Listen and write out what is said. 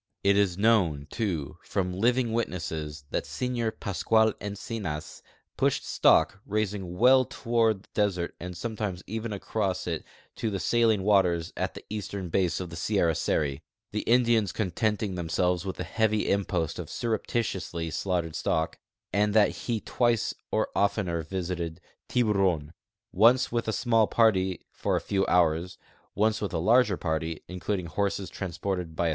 It is known, too, from living witnesses that Sr Pascual Encinas pushed stock raising well toward the desert and sometimes even across it to the saline waters at the eastern base of Sierra Seri, the Indians contenting themselves with a heavy im])Ost of surreptitiously slaughtered stock, and that he twice or oftener visited Tihuron^ once with a small party for a few hours, once with a larger party^ including horses transported by a